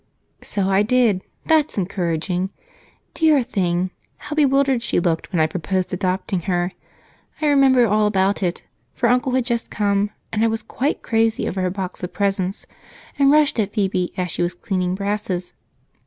"So I did! That's encouraging. Dear thing, how bewildered she looked when I proposed adopting her. I remember all about it, for Uncle had just come and I was quite crazy over a box of presents and rushed at Phebe as she was cleaning brasses.